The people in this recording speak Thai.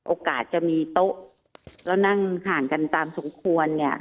โอกาสจะมีโต๊ะแล้วนั่งห่างกันตามสมควรเนี่ย